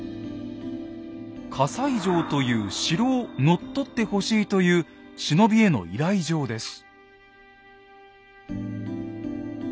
「西城という城を乗っ取ってほしい」という忍びへの依頼状です。